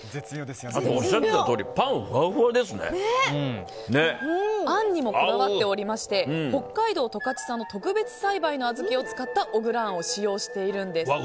あと、おっしゃったとおりあんにもこだわっておりまして北海道十勝産の特別栽培の小豆を使った小倉あんを使用しているんです。